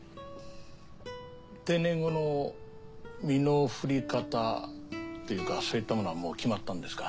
定年後の身の振り方っていうかそういったものはもう決まったんですか？